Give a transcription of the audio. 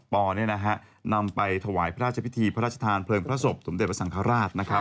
นำไปถวายพระราชพิธีพระราชทานเพลิงพระศพสมเด็จพระสังฆราชนะครับ